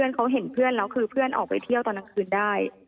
เขาเห็นเพื่อนแล้วคือเพื่อนออกไปเที่ยวตอนกลางคืนได้